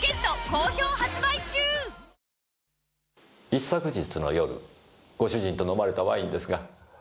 一昨日の夜ご主人と飲まれたワインですが。